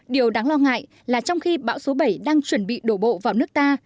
điều đáng lo ngại là trong khi bão số bảy đang chuẩn bị đổ bộ vào nước ta